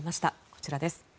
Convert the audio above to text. こちらです。